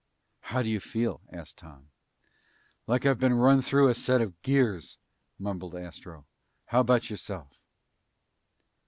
"How do you feel?" asked Tom. "Like I've been run through a set of gears," mumbled Astro. "How about yourself?"